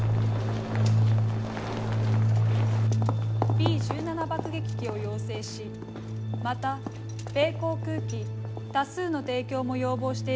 Ｂ１７爆撃機を要請しまた米航空機多数の提供も要望している。